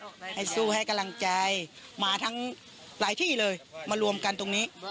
ให้สู้ให้กำลังใจมาทั้งหลายที่เลยมารวมกันตรงนี้